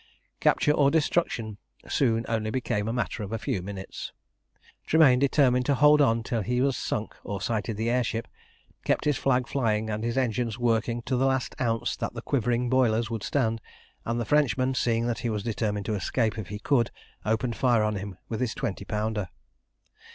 Capture or destruction soon only became a matter of a few minutes. Tremayne, determined to hold on till he was sunk or sighted the air ship, kept his flag flying and his engines working to the last ounce that the quivering boilers would stand, and the Frenchman, seeing that he was determined to escape if he could, opened fire on him with his twenty pounder.